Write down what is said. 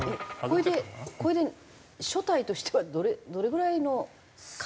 これでこれで所帯としてはどれぐらいの数？